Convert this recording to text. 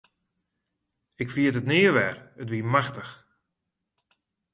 Ik ferjit it nea wer, it wie machtich.